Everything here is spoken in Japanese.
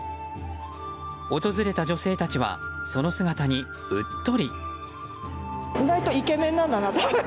訪れた女性たちはその姿にうっとり。